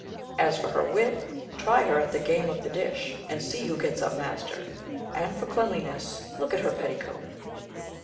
As for her wit, try her at the game of the dish, and see who gets up master ; and for cleanliness, look at her petticoat?